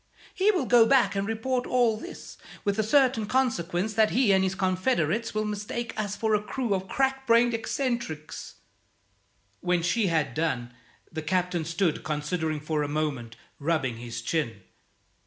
He will go back and report all this, with the certain consequence that he and his confederates will mistake us for a crew of crack brained eccentrics." When she had done, the Captain stood considering for a moment, rubbing his chin.